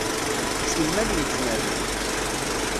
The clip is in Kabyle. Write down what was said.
Simmal yettnernay.